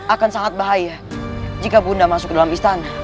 akan sangat bahaya jika bunda masuk ke dalam istana